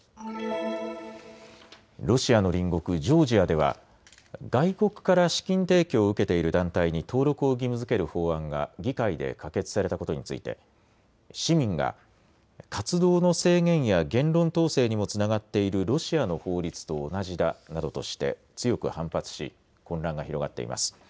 ロシアの隣国、ジョージアでは外国から資金提供を受けている団体に登録を義務づける法案が議会で可決されたことについて、市民が活動の制限や言論統制にもつながっているロシアの法律と同じだなどとして強く反発し混乱が広がっています。